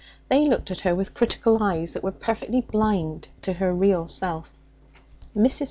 They looked at her with critical eyes that were perfectly blind to her real self. Mrs.